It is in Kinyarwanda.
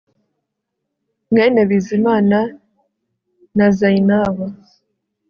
mwene BIZIMANA na ZAINABO